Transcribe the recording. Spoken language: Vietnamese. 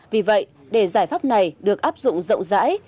vì vậy để giải pháp này được áp dụng rộng rãi